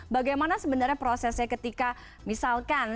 bagaimana sebenarnya prosesnya ketika misalkan